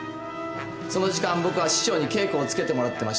その時間僕は師匠に稽古をつけてもらってました。